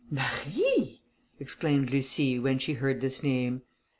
"Marie," exclaimed Lucie, when she heard this name.